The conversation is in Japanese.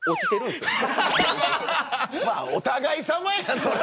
まあお互いさまやんそれ。